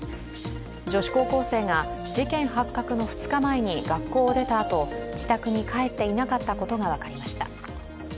女子高校生が事件発覚の２日前に学校を出たあと自宅に帰っていなかったことが分かりました。